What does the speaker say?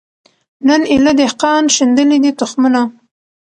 نن ایله دهقان شیندلي دي تخمونه